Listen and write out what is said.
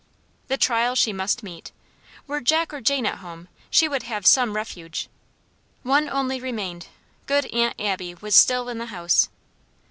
The trial she must meet. Were Jack or Jane at home she would have some refuge; one only remained; good Aunt Abby was still in the house.